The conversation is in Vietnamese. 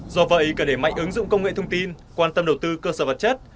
do vậy cần để mạnh ứng dụng công nghệ thông tin quan tâm đầu tư cơ sở vật chất